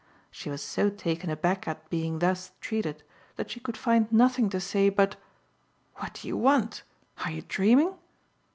She was so taken aback at being thus treated that she could find nothing to say but "What do you want? Are you dreaming?"